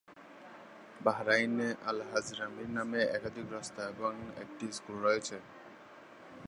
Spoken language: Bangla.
বাহরাইনে আল-হাযরামির নামে একাধিক রাস্তা এবং একটি স্কুল রয়েছে।